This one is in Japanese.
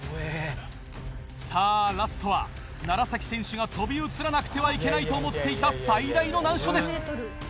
さぁラストは楢選手が飛び移らなくてはいけないと思っていた最大の難所です。